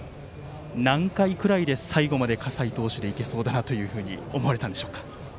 何回くらいで最後まで葛西投手でいけるかなと思われたんでしょうか？